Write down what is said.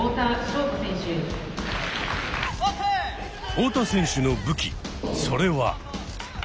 太田選手の武器それは。